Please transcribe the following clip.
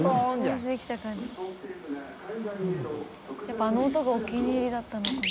やっぱあの音がお気に入りだったのかな？